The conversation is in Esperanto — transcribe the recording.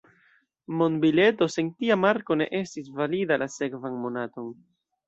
Monbileto sen tia marko ne estis valida la sekvan monaton.